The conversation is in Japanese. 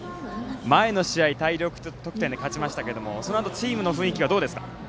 前の試合は大量得点で勝ちましたがチームの雰囲気はどうですか。